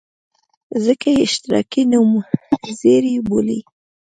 ځکه یې اشتراکي نومځري بولي.